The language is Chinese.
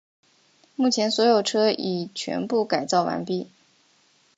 目前所有车已全部改造完毕。